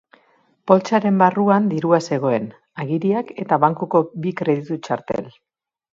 Poltsaren barruan dirua zegoen, agiriak eta bankuko bi kreditu-txartel.